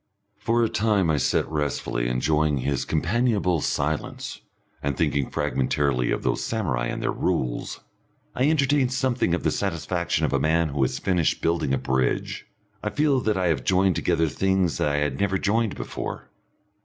For a time I sit restfully enjoying his companionable silence, and thinking fragmentarily of those samurai and their Rules. I entertain something of the satisfaction of a man who has finished building a bridge; I feel that I have joined together things that I had never joined before.